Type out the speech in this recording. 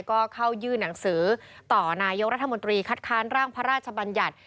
ก็เข้ายื่นหนังสือต่อนายกรัฐมนตรีคัดค้านร่างพระราชบัญญัติ